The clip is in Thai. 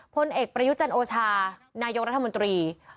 พลเอกประยุจันโอชานายกรัฐมนตรี